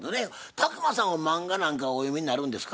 宅麻さんは漫画なんかはお読みになるんですか？